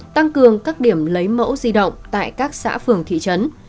tăng cường các điểm lấy mẫu di động tại các xã phường thị trấn